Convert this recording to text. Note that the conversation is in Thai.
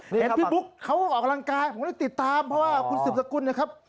เห็นพี่บุ๊กเขาออกกำลังกายผมได้ติดตามเพราะว่าคุณสืบสกุลนะครับ